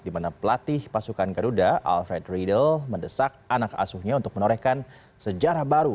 di mana pelatih pasukan garuda alfred riedel mendesak anak asuhnya untuk menorehkan sejarah baru